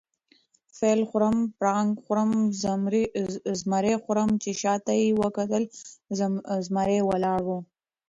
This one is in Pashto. فیل خورم، پړانګ خورم، زمرى خورم . چې شاته یې وکتل زمرى ولاړ وو